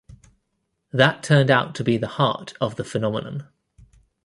That turned out to be the heart of the phenomenon.